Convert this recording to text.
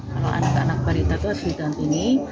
kalau anak anak balita itu harus didampingi